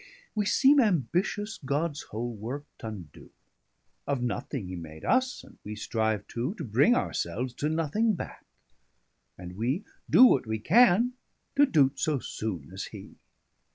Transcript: Wee seeme ambitious, Gods whole worke t'undoe; 155 Of nothing hee made us, and we strive too, To bring our selves to nothing backe; and wee Doe what wee can, to do't so soone as hee.